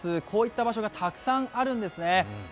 こういった場所がたくさんあるんですね。